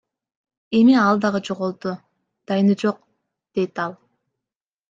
Эми ал дагы жоголду, дайыны жок, – дейт ал.